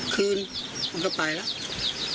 คืนมันก็ไปแล้ว